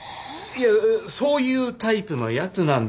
いやそういうタイプのやつなんですよ。